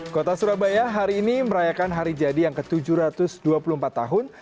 kota surabaya hari ini merayakan hari jadi yang ke tujuh ratus dua puluh empat tahun